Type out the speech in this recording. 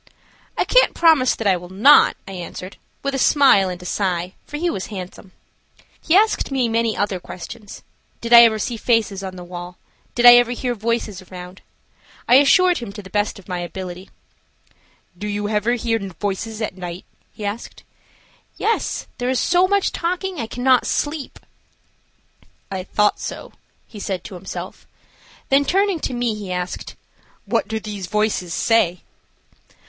"I can't promise that I will not," I answered, with a smile and a sigh, for he was handsome. He asked me many other questions. Did I ever see faces on the wall? Did I ever hear voices around? I answered him to the best of my ability. "Do you ever hear voices at night?" he asked. "Yes, there is so much talking I cannot sleep." "I thought so," he said to himself. Then turning to me, he asked: "What do these voices say?"